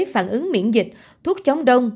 phản ứng miễn dịch thuốc chống đông